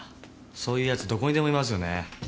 そういう奴どこにでもいますよね。